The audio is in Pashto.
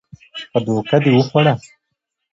که دوکه دې وخوړه